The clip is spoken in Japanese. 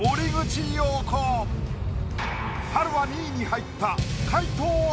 春は２位に入った。